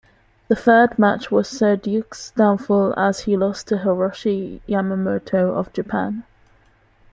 The third match was Serdyuk's downfall, as he lost to Hiroshi Yamamoto of Japan.